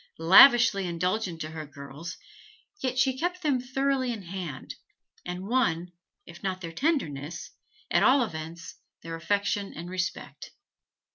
Lavishly indulgent to her girls, she yet kept them thoroughly in hand, and won, if not their tenderness, at all events their affection and respect.